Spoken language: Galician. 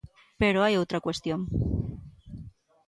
Pero hai outra cuestión.